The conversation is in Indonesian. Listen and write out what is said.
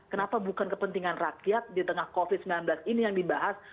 kenapa bukan kepentingan rakyat di tengah covid sembilan belas ini yang dibahas